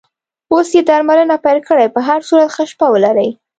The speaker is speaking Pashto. اوس یې درملنه پیل کړې، په هر صورت ښه شپه ولرې.